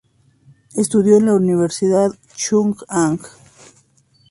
Estudió en la "Universidad Chung-Ang".